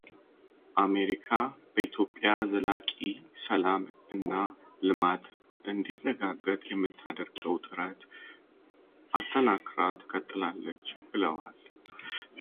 አሜሪካ በኢትዮጵያ ዘላቂ ሰላም እና ልማት እንዲረጋገጥ የምታደርገው ጥረት አጠናክር ትቀጥላለች ብለዋል፡፡